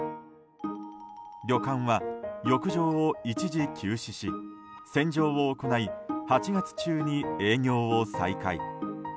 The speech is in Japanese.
旅館は、浴場を一時休止し洗浄を行い８月中に営業を再開。